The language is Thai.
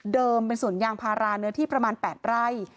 เดิมเป็นส่วนยางพาราเนื้อที่ประมาณแปดไร่